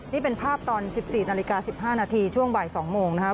นี่เป็นภาพตอน๑๔น๑๕นช่วงบ่าย๒โมงนะครับ